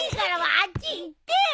あっち行ってよ！